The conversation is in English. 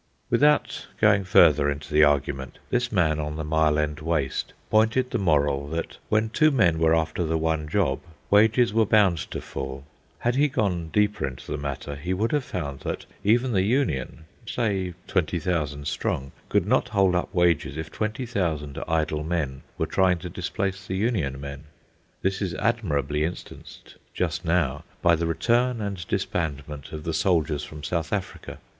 Without going further into the argument, this man on the Mile End Waste pointed the moral that when two men were after the one job wages were bound to fall. Had he gone deeper into the matter, he would have found that even the union, say twenty thousand strong, could not hold up wages if twenty thousand idle men were trying to displace the union men. This is admirably instanced, just now, by the return and disbandment of the soldiers from South Africa.